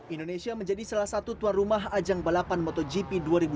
indonesia menjadi salah satu tuan rumah ajang balapan motogp dua ribu dua puluh